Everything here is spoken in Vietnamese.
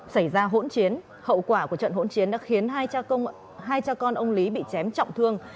xảy ra hỗn chiến hậu quả của trận hỗn chiến đã khiến hai cha con ông lý bị chém trọng thương